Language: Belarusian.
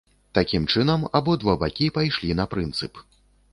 Такім чынам, абодва бакі пайшлі на прынцып.